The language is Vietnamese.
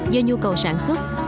do nhu cầu sản xuất